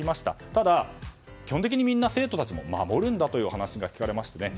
ただ、基本的にみんな生徒たちも守るんだという話が聞かれました。